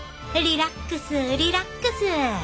リラックスリラックス。